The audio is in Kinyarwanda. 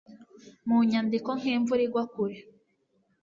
mu nyandiko nk'imvura igwa kure